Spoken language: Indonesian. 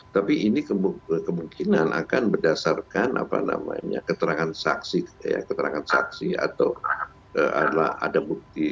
tapi ini kemungkinan akan berdasarkan keterangan saksi keterangan saksi atau ada bukti